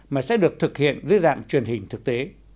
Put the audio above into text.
mà sẽ được thực hiện dưới dạng truyền hình thực tế